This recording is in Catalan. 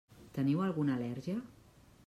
Teniu alguna al·lèrgia?